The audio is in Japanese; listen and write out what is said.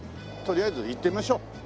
とりあえず行ってみましょう。